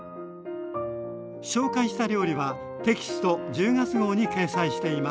紹介した料理はテキスト１０月号に掲載しています。